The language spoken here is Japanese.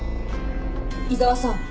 井沢さん。